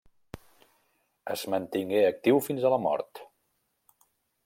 Es mantingué actiu fins a la mort.